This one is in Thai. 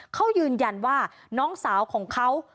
เขายืนยันว่าน้องสาวของเขา